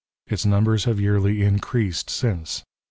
Its numbers have yearly increased since.